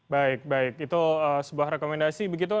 baik baik itu sebuah rekomendasi begitu